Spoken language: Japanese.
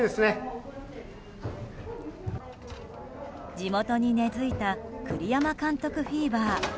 地元に根付いた栗山監督フィーバー。